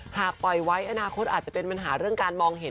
หากปล่อยไว้อนาคตอาจจะเป็นปัญหาเรื่องการมองเห็น